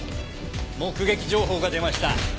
目撃情報が出ました。